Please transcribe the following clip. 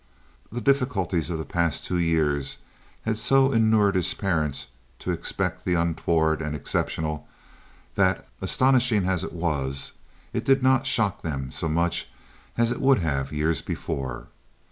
The difficulties of the past two years had so inured his parents to expect the untoward and exceptional that, astonishing as this was, it did not shock them so much as it would have years before.